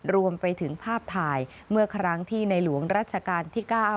รวมไปถึงภาพถ่ายเมื่อครั้งที่ในหลวงรัชกาลที่๙